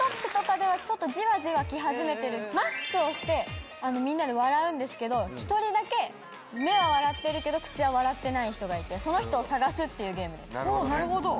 マスクをしてみんなで笑うんですけど１人だけ目は笑ってるけど口は笑ってない人がいてその人を探すっていうゲームです。